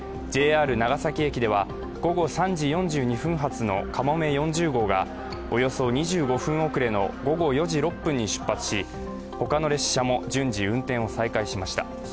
ＪＲ長崎駅では、午後３時４２分発のかもめ４０号がおよそ２５分遅れの午後４時６分に出発し、他の列車も順次運転を再開しました。